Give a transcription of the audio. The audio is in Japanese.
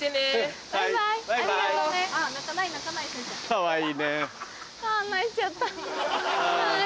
かわいい。